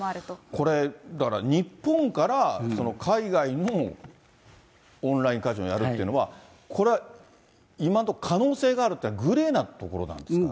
これ、だから、日本から海外のオンラインカジノをやるっていうのは、今のところ、可能性があるというのは、グレーなところなんですか？